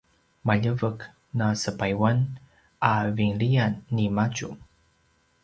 “maljeveq na sepayuan” a vinlian nimadju